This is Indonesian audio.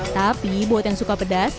tapi buat yang suka pedas